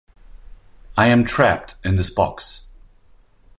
I am trapped in this box.